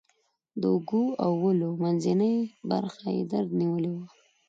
د اوږو او ولیو منځنۍ برخه یې درد نیولې وه.